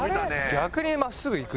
逆に真っすぐいくんだ。